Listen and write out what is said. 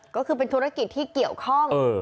ก็คือเป็นธุรกิจที่เกี่ยวข้อง